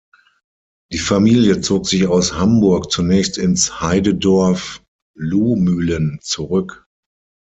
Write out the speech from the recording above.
Die Familie zog sich aus Hamburg zunächst ins Heidedorf Luhmühlen zurück.